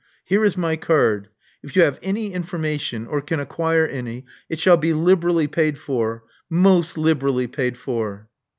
Here is my card. If you have any information, or can acquire any, it shall be liberally paid for — most liberally paid for."